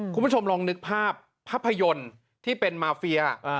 คุณผู้ชมลองนึกภาพภาพยนตร์ที่เป็นมาเฟีย